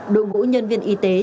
đủ ngũ nhân viên y tế